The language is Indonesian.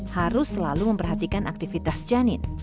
harus selalu memperhatikan aktivitas janin